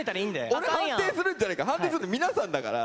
俺判定するんじゃないから。